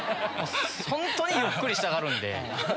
ホントにゆっくりしたがるんで。